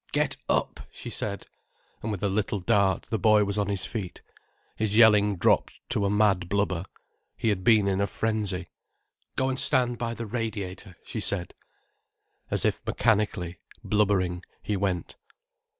"Get up," she said. And with a little dart the boy was on his feet. His yelling dropped to a mad blubber. He had been in a frenzy. "Go and stand by the radiator," she said. As if mechanically, blubbering, he went.